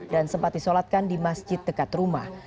dan sempat disolatkan di masjid dekat rumah